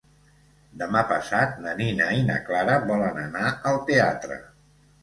Demà passat na Nina i na Clara volen anar al teatre.